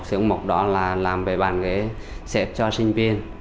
xưởng mộc đó là làm về bàn ghế xếp cho sinh viên